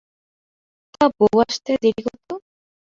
তা, বৌ আসতে আর দেরি কত?